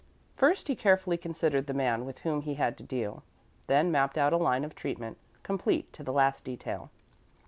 First, he carefully considered the man with whom he had to deal, then mapped out a line of treatment, complete to the last detail.